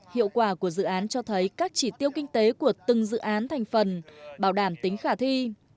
hiệu quả của dự án cho thấy các chỉ tiêu kinh tế của từng dự án thành phần bảo đảm tính khả thi